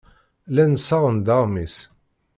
Llan ssaɣen-d aɣmis.